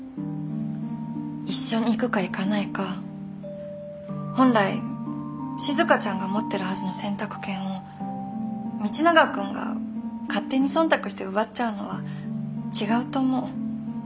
一緒に行くか行かないか本来静ちゃんが持ってるはずの選択権を道永君が勝手に忖度して奪っちゃうのは違うと思う。